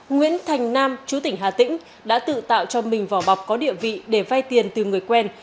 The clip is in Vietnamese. nguyễn thành nam chú tỉnh hà tĩnh đã tự tạo cho mình vỏ bọc có địa vị để vay tiền từ người quen